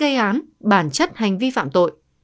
gây án bản chất hành vi phạm tội